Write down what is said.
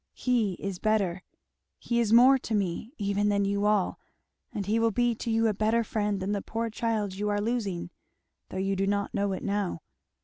He is better, he is more to me, even than you all, and he will be to you a better friend than the poor child you are losing, though you do not know it now.